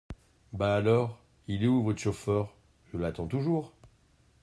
Ben alors, il est où, votre chauffeur, je l’attends toujours.